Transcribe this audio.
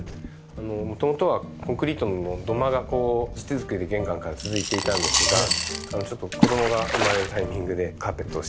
元々はコンクリートの土間が地続きで玄関から続いていたんですが子供が生まれるタイミングでカーペットを敷いて。